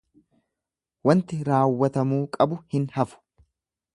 Wanti raawwatamuu qabu hin hafu.